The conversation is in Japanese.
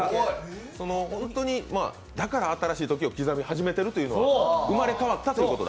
だから、新しい時を刻み始めてるというのは生まれ変わったということだ。